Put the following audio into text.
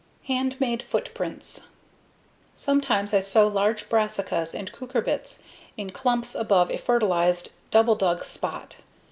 Handmade Footprints Sometimes I sow large brassicas and cucurbits in clumps above a fertilized, double dug spot.